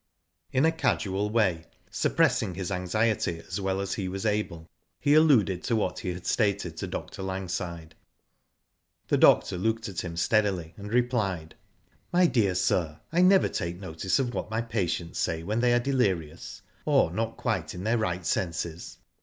In a casual way, suppressing his anxiety as well as he was able, he alluded to what he had stated to Dr. Langside. The doctor looked at him steadily, and replied :" My dear sir, I never take notice of what my patients say when they are delirious, or not quite in their right senses.